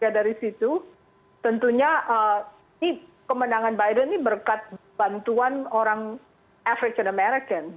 dari situ tentunya kemenangan biden ini berkat bantuan orang afric ton american